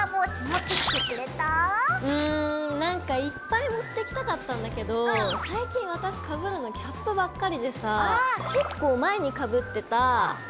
うんなんかいっぱい持ってきたかったんだけど最近私かぶるのキャップばっかりでさぁ結構前にかぶってたこれ！